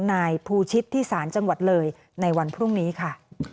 นายภูชิตที่ศาลจังหวัดเลยในวันพรุ่งนี้ค่ะ